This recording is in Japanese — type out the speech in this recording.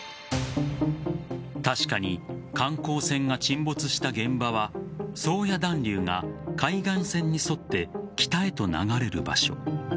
確かに観光船が沈没した現場は宗谷暖流が海岸線に沿って北へと流れる場所。